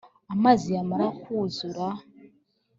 amazi yamará kwuzura